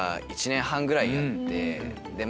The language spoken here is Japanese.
１年半ぐらいやって。